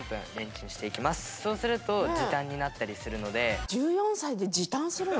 そうすると時短になったりするので。